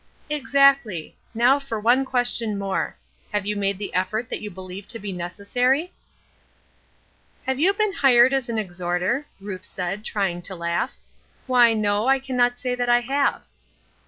"Exactly. Now for one question more: Have you made the effort that you believe to be necessary?" "Have you been hired as an exhorter?" Ruth said, trying to laugh. "Why, no, I can not say that I have."